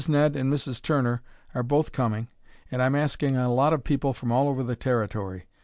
Ned and Mrs. Turner are both coming, and I'm asking a lot of people from all over the Territory.